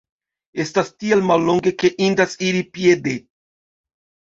Estas tiel mallonge ke indas iri piede.